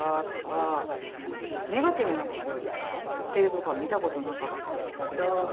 ネガティブな事を言ってるとこは見た事なかったですね。